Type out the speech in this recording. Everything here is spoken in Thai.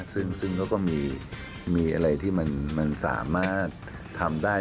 ซึ่งเขาก็มีอะไรที่มันสามารถทำได้